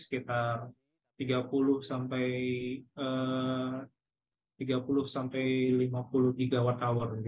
sekitar tiga puluh sampai lima puluh gigawatt hour